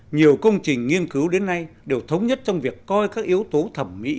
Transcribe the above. nhiều công trình nghiên cứu đến nay đều thống nhất trong việc coi các yếu tố thẩm mỹ